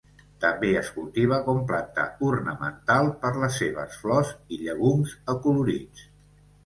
També es cultiva com planta ornamental per les seves flors i llegums acolorits.